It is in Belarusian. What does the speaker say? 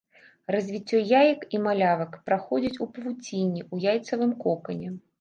Развіццё яек і малявак праходзіць у павуцінні ў яйцавым кокане.